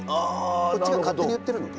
こっちが勝手に言ってるので。